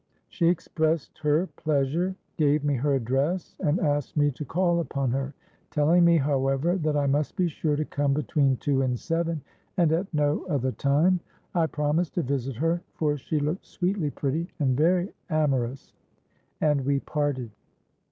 She expressed her pleasure, gave me her address, and asked me to call upon her; telling me, however, that I must be sure to come between two and seven, and at no other time. I promised to visit her; for she looked sweetly pretty and very amorous;—and we parted.